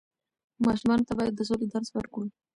ماشومانو ته بايد د سولې درس ورکړو.